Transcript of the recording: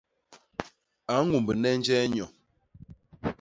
U ñumbne njee nyo?